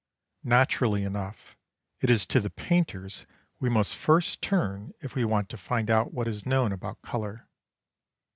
Naturally enough, it is to the painters we must first turn if we want to find out what is known about colour.